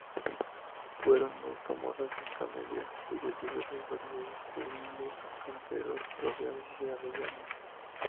Fueron muy famosas sus camelias, cuyas diversas variedades cubrían los canteros rodeados de arrayanes.